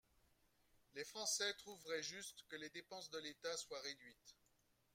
Les Français trouveraient juste que les dépenses de l’État soient réduites.